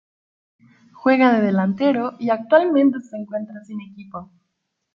Juega de delantero y actualmente se encuentra sin equipo.